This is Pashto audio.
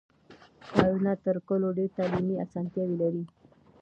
ښارونه تر کلیو ډېر تعلیمي اسانتیاوې لري.